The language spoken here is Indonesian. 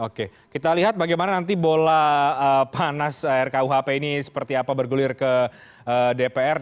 oke kita lihat bagaimana nanti bola panas rkuhp ini seperti apa bergulir ke dpr